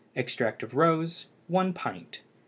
Extract of rose 1 pint.